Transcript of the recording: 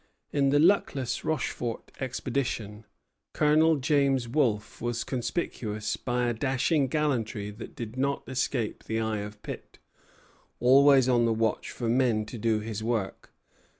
In the luckless Rochefort expedition, Colonel James Wolfe was conspicuous by a dashing gallantry that did not escape the eye of Pitt, always on the watch for men to do his work.